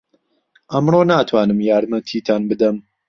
ئەمڕۆ ناتوانم یارمەتیتان بدەم.